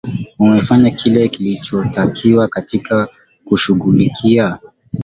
umefanya kile kinachotakiwa katika kushughulikia